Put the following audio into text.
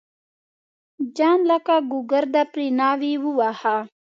جان لکه ګوګرد پرې ناوی وواهه.